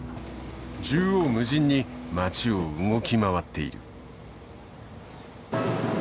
縦横無尽に街を動き回っている。